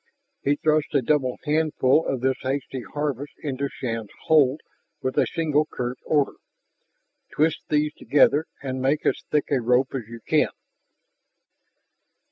He thrust a double handful of this hasty harvest into Shann's hold with a single curt order: "Twist these together and make as thick a rope as you can!"